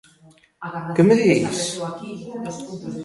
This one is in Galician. Que me dis!